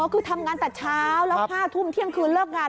คือทำงานแต่เช้าแล้ว๕ทุ่มเที่ยงคืนเลิกงาน